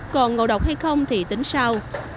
còn ngầu độc hay không thì tính sau